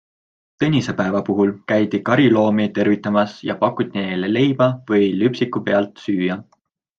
Tõnisepäeva puhul käidi kariloomi tervitamas ja pakuti neile leiba või lüpsiku pealt süüa.